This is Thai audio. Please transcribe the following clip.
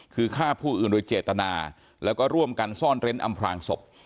คือฆ่าผู้อื่นโดยเจตนาแล้วก็ร่วมกันซ่อนเร้นอำพลางศพ